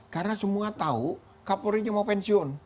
karena semua tahu kapolri mau pensiun